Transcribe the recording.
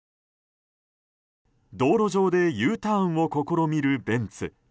道路上でＵターンを試みるベンツ。